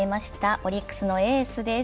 オリックスのエースです。